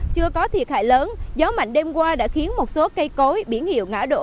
thiệt hại lớn gió mạnh đêm qua đã khiến một số cây cối biển hiệu ngã đổ